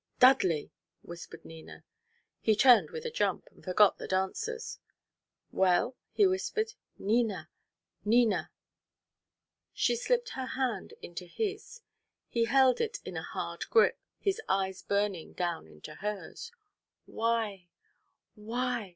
"Dudley!" whispered Nina. He turned with a jump, and forgot the dancers. "Well?" he whispered. "Nina! Nina!" She slipped her hand into his. He held it in a hard grip, his eyes burning down into hers. "Why why?